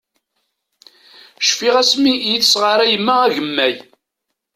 Cfiɣ asmi i yi-tesɣaṛay yemma agemmay.